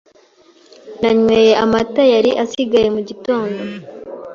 Nanyweye amata yari asigaye mu gitondo.